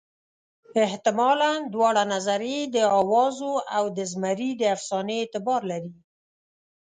حتمالاً دواړه نظریې د اوازو او د زمري د افسانې اعتبار لري.